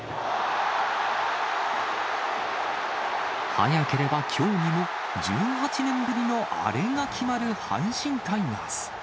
早ければきょうにも、１８年ぶりのアレが決まる阪神タイガース。